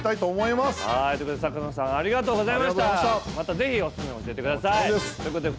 また、ぜひおすすめ教えてください。